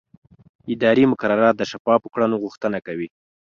اداري مقررات د شفافو کړنو غوښتنه کوي.